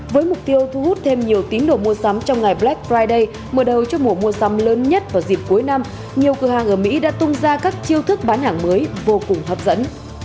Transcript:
với mục tiêu thu hút thêm nhiều tín đồ mua sắm trong ngày black friday mở đầu cho mùa mua sắm lớn nhất vào dịp cuối năm nhiều cửa hàng ở mỹ đã tung ra các chiêu thức bán hàng mới vô cùng hấp dẫn